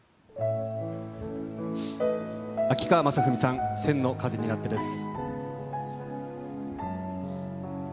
秋川雅史さん、千の風になってです。